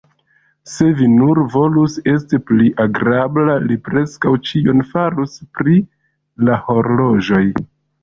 Se vi nur volus esti pli agrabla, li preskaŭ ĉion farus pri la horloĝoj.